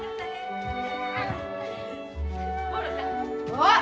あっ！